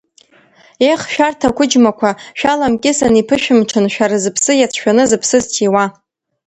Ех, шәарҭ ақәыџьмақәа, шәаламкьысын, иԥышәымҽын, шәара зыԥсы иацәшәаны зыԥсы зҭиуа.